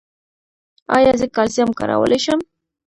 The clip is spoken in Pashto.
ایا زه کلسیم کارولی شم؟